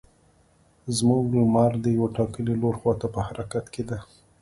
زموږ لمر د یو ټاکلي لور خوا ته په حرکت کې ده.